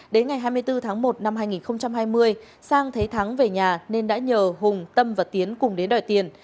đến ngày hai mươi bốn tháng một năm hai nghìn hai mươi sang thấy thắng về nhà nên đã nhờ hùng tâm và tiến cùng đến đòi tiền